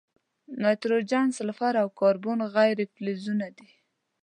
نایتروجن، سلفر، او کاربن غیر فلزونه دي.